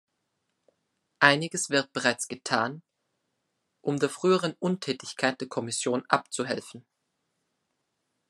Einiges wird bereits getan, um der früheren Untätigkeit der Kommission abzuhelfen.